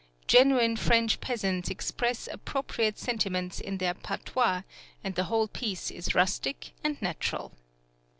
Genuine French peasants express appropriate sentiments in their patois, and the whole piece is rustic and natural.